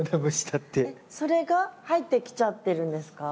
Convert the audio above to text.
えっそれが入ってきちゃってるんですか？